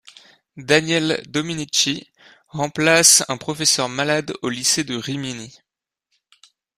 Daniele Dominici remplace un professeur malade au lycée de Rimini.